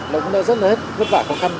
nó cũng đã rất là hết vất vả khó khăn